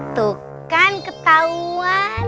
tuh kan ketahuan